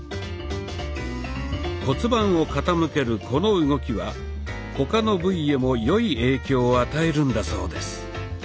骨盤を傾けるこの動きは他の部位へも良い影響を与えるんだそうです。